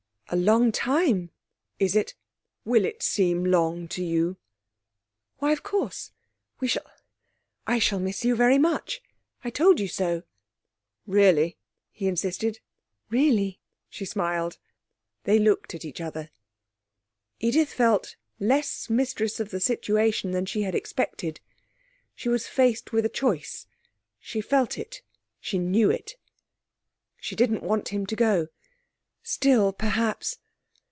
'A long time.' 'Is it? Will it seem long to you?' 'Why, of course. We shall I shall miss you very much. I told you so.' 'Really?' he insisted. 'Really,' she smiled. They looked at each other. Edith felt less mistress of the situation than she had expected. She was faced with a choice; she felt it; she knew it. She didn't want him to go. Still, perhaps....